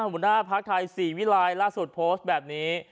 บุญภาพภาคไทย๔วีลายล่าสุดโพสต์แบบนี้